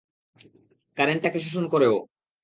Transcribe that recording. কারেন্টটাকে শোষণ করে ও।